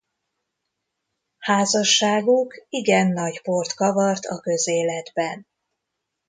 Házasságuk igen nagy port kavart a közéletben.